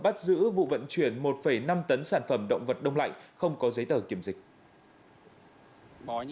bắt giữ vụ vận chuyển một năm tấn sản phẩm động vật đông lạnh không có giấy tờ kiểm dịch